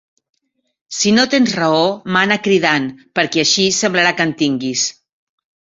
Si no tens raó mana cridant, perquè axis semblarà que en tinguis